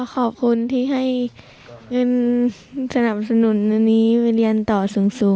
ขอบคุณที่ให้เงินสนับสนุนอันนี้ไปเรียนต่อสูง